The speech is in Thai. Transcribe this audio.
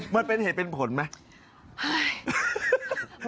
มันเป็นเหตุเป็นผลไหม